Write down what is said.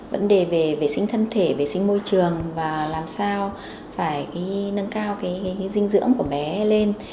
vấn đề về vệ sinh thân thể vệ sinh môi trường và làm sao phải nâng cao dinh dưỡng của bé lên